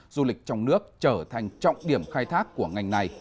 du lịch trong nước trở thành trọng điểm khai thác của ngành này